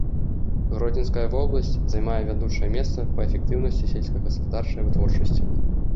Гродзенская вобласць займае вядучае месца па эфектыўнасці сельскагаспадарчай вытворчасці.